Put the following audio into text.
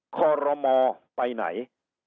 คอรมอไปไหน